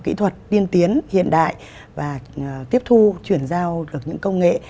kỹ thuật tiên tiến hiện đại và tiếp thu chuyển giao được những công nghệ